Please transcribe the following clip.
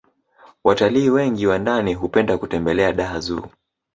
watalii wengi wa ndani hupenda kutembelea dar zoo